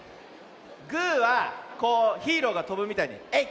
グーはこうヒーローがとぶみたいにえい！